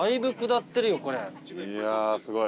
いやあすごい。